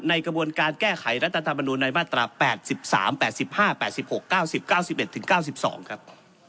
กระบวนการแก้ไขรัฐธรรมนูลในมาตรา๘๓๘๕๘๖๙๐๙๑ถึง๙๒ครับ